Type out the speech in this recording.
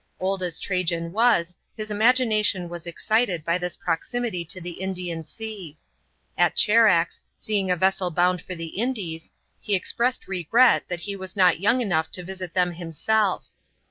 Old as Trajan was, his imagination was excited by this proximity to the Indian Sea. At Charax, seeing; a vessel bound for the Indies, he expressed regret that he was not young enough to visit them himself.